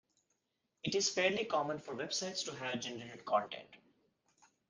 It is fairly common for websites to have generated content.